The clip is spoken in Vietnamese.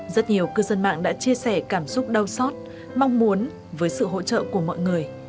rất nhiều cư dân mạng đã chia sẻ cảm xúc đau xót mong muốn với sự hỗ trợ của mọi người